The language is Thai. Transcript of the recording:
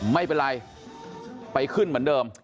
ไม่เป็นไรไปขึ้นเหมือนเดิม